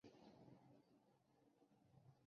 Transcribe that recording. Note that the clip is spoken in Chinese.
秃剌之子为越王阿剌忒纳失里。